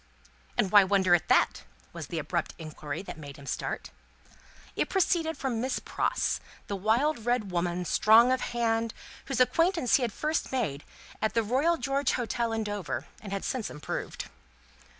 "And why wonder at that?" was the abrupt inquiry that made him start. It proceeded from Miss Pross, the wild red woman, strong of hand, whose acquaintance he had first made at the Royal George Hotel at Dover, and had since improved.